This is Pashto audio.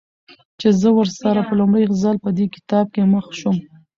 چې زه ورسره په لومړي ځل په دې کتاب کې مخ شوم.